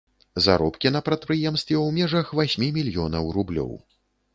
Заробкі на прадпрыемстве ў межах васьмі мільёнаў рублёў.